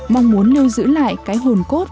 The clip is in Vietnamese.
mong muốn lưu giữ lại cái hồn cốt